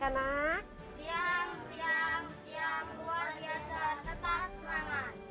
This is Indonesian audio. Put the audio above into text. selamat siang siang luar biasa tetap semangat